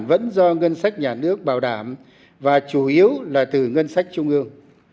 vẫn do ngân sách nhà nước bảo đảm và chủ yếu là từ ngân sách trung ương